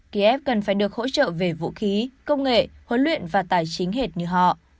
kiev cần phải được hỗ trợ về vũ khí công nghệ huấn luyện và tài chính hệt như họ